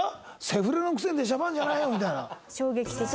「セフレのくせにでしゃばるんじゃないよ」みたいな。